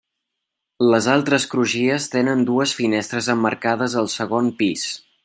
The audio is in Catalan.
Les altres crugies tenen dues finestres emmarcades al segon pis.